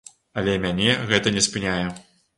Але мяне гэта не спыняе.